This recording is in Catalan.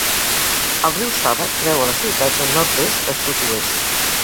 El riu Saba creua la ciutat de nord-est a sud-oest.